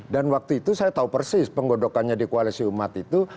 dan waktu itu saya tahu persis penggodokannya di koalisi umat itu